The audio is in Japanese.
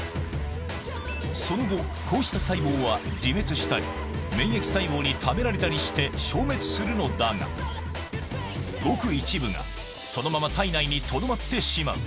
その後、こうした細胞は自滅したり、免疫細胞に食べられたりして消滅するのだが、ごく一部が、そのまま体内にとどまってしまう。